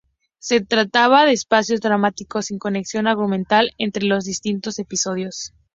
Se trataba de espacios dramáticos sin conexión argumental entre los distintos episodios.